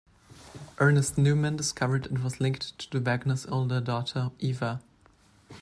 Ernest Newman discovered it was linked to the Wagners' older daughter Eva.